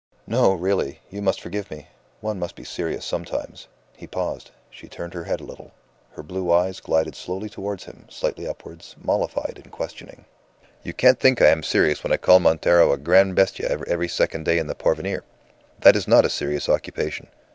"No, really. You must forgive me. One must be serious sometimes." He paused. She turned her head a little; her blue eyes glided slowly towards him, slightly upwards, mollified and questioning. "You can't think I am serious when I call Montero a gran' bestia every second day in the Porvenir? That is not a serious occupation.